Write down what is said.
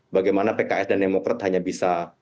bagaimana pks dan demokrat hanya bisa